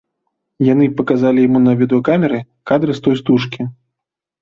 Яны паказалі яму на відэакамеры кадры з той стужкі.